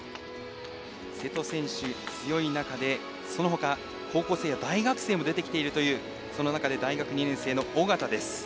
瀬戸選手、強い中でそのほか、高校生や大学生も出てきているというその中で大学２年生の小方です。